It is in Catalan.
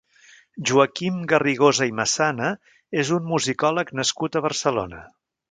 Joaquim Garrigosa i Massana és un musicòleg nascut a Barcelona.